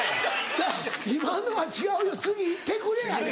ちゃう今のは違うよ「次いってくれ」やで。